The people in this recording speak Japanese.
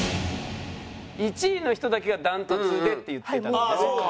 １位の人だけが断トツでって言ってたもんね。